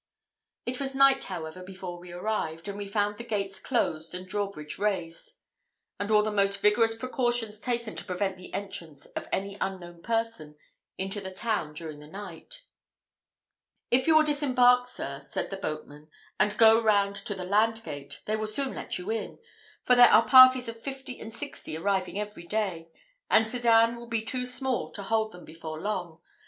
It was night, however, before we arrived, and we found the gates closed and drawbridge raised; and all the most rigorous precautions taken to prevent the entrance of any unknown person into the town during the night. "If you will disembark, sir," said the boatman, "and go round to the land gate, they will soon let you in; for there are parties of fifty and sixty arriving every day; and Sedan will be too small to hold them before long.